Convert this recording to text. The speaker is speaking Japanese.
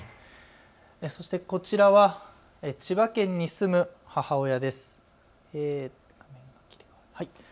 そしてこちらは千葉県に住む母親です。